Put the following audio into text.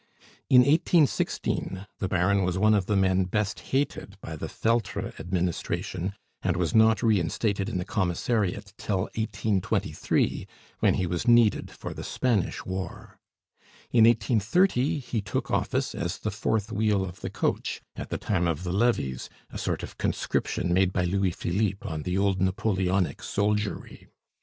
In 1816 the Baron was one of the men best hated by the Feltre administration, and was not reinstated in the Commissariat till 1823, when he was needed for the Spanish war. In 1830 he took office as the fourth wheel of the coach, at the time of the levies, a sort of conscription made by Louis Philippe on the old Napoleonic soldiery.